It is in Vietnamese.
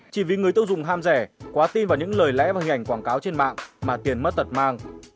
chỉ vì người tiêu dùng ham rẻ quá tin vào những lời lẽ và hình ảnh quảng cáo trên mạng mà tiền mất tật mang